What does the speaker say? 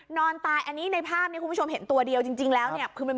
นอนตายอันนี้ในภาพคุณผู้ชมเห็นตัวเดียวจริงแล้ว